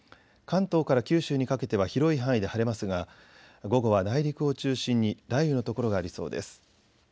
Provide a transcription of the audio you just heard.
関東から九州にかけては広い範囲で晴れますが午後は内陸を中心に雷雨の所がありそうです。